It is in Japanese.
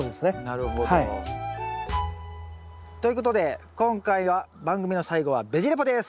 なるほど。ということで今回は番組の最後はベジ・レポです。